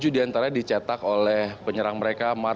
tujuh diantara dicetak oleh penyerang mereka